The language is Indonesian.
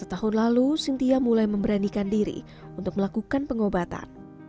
setahun lalu sintia mulai memberanikan diri untuk melakukan pengobatan